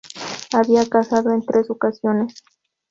Había casado en tres ocasiones.